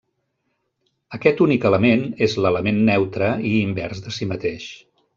Aquest únic element és l'element neutre i invers de si mateix.